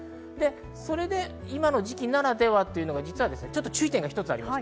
今の時期ならではというのが実は、注意点が一つあります。